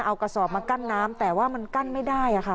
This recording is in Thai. เอากระสอบมากั้นน้ำแต่ว่ามันกั้นไม่ได้ค่ะ